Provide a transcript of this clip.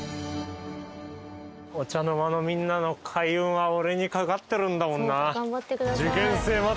お茶の間のみんなの開運は俺にかかってるんだもんな。